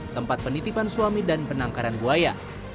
tempat penitipan suami dan penangkaran buaya